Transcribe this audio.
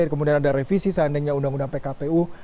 kemudian ada revisi seandainya undang undang pkpu